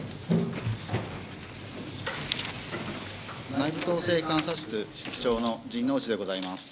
内部統制監査室室長の陣内でございます。